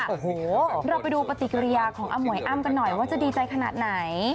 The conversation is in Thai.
โอ้โหเราไปดูปฏิกิริยาของอมวยอ้ำกันหน่อยว่าจะดีใจขนาดไหน